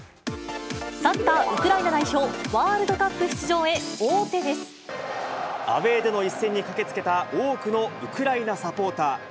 サッカーウクライナ代表、アウエーでの一戦に駆けつけた多くのウクライナサポーター。